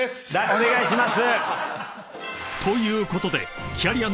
お願いします。